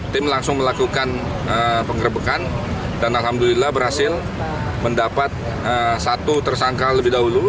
tim langsung melakukan penggerbekan dan alhamdulillah berhasil mendapat satu tersangka lebih dahulu